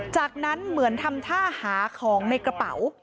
จากนั้นเหมือนทำท่าหาของในกระเป๋า